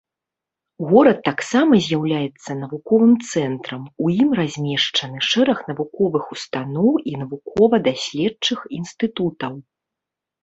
Горад таксама з'яўляецца навуковым цэнтрам, у ім размешчаны шэраг навуковых устаноў і навукова-даследчых інстытутаў.